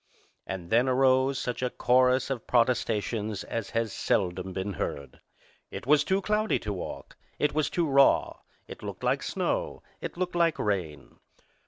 And then arose such a chorus of protestations as has seldom been heard. It was too cloudy to walk. It was too raw. It looked like snow. It looked like rain.